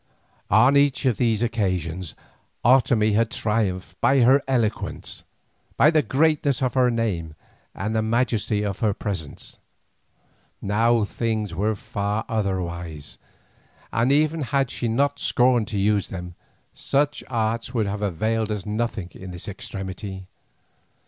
On each of these occasions Otomie had triumphed by her eloquence, by the greatness of her name and the majesty of her presence. Now things were far otherwise, and even had she not scorned to use them, such arts would have availed us nothing in this extremity.